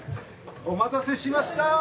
お待たせしました！